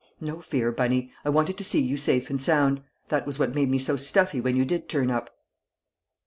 "No fear, Bunny! I wanted to see you safe and sound. That was what made me so stuffy when you did turn up."